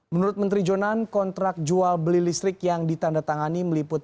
menurut menteri jonan kontrak jual beli listrik yang ditandatangani meliput